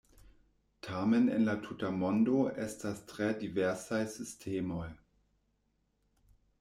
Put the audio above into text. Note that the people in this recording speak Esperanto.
Tamen en la tuta mondo estas tre diversaj sistemoj.